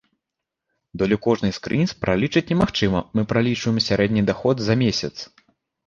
Долю кожнай з крыніц пралічыць немагчыма, мы пралічваем сярэдні даход за месяц.